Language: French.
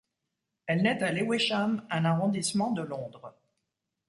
Elle naît à Lewisham, un arrondissement de Londres.